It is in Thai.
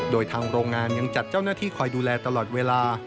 โดยทางโรงงานยังจัดเจ้าหน้าที่คอยดูแลตลอดเวลา